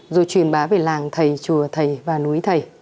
rồi truyền bá về làng thầy chùa thầy và núi thầy